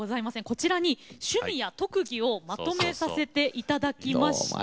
こちらに趣味や特技をまとめさせて頂きました。